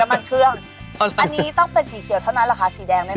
อันนี้ต้องเป็นสีเขียวเท่านั้นเหรอคะสีแดงได้ไหม